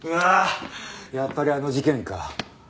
やっぱりあの事件か。